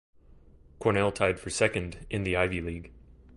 Cornell tied for second in the Ivy League.